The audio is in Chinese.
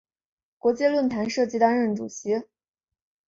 国际论坛设计担任主席。